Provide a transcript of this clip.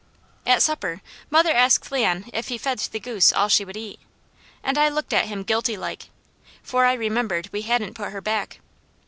At supper mother asked Leon if he fed the goose all she would eat, and I looked at him guilty like, for I remembered we hadn't put her back.